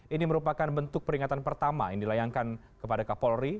ini merupakan bentuk peringatan pertama yang dilayangkan kepada kapolri